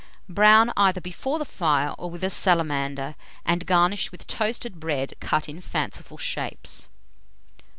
Brown either before the fire or with a salamander, and garnish with toasted bread cut in fanciful shapes.